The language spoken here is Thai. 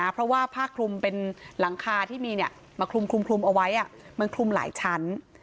เพราะว่าผ้าคลุมเป็นหลังคาที่มีมาคลุมเอาไว้มันคลุมหลายชั้น